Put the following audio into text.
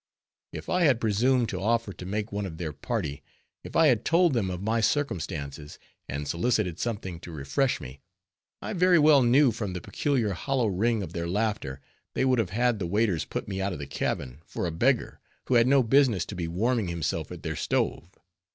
If I had presumed to offer to make one of their party; if I had told them of my circumstances, and solicited something to refresh me, I very well knew from the peculiar hollow ring of their laughter, they would have had the waiters put me out of the cabin, for a beggar, who had no business to be warming himself at their stove.